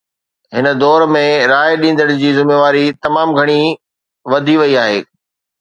هن دور ۾ راءِ ڏيندڙ جي ذميواري تمام گهڻي وڌي وئي آهي.